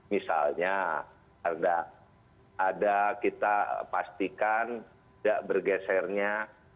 misalnya ada kita pastikan tidak bergesernya